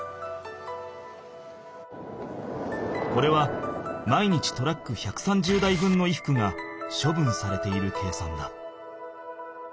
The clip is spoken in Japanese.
これは毎日トラック１３０台分の衣服がしょぶんされている計算だ。